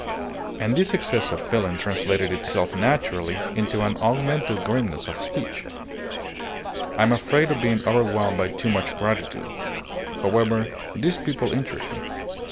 And this excess of feeling translated itself naturally into an augmented grimness of speech. "I am afraid of being overwhelmed by too much gratitude. However, these people interest me.